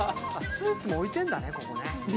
スーツも置いてんだね、ここね。